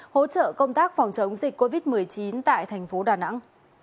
hỗ trợ công tác phòng chống dịch covid một mươi chín tại thành phố đà nẵng